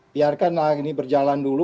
biarkan ini berjalan dulu